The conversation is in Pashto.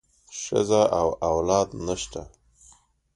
ښځه او اولاد نشته.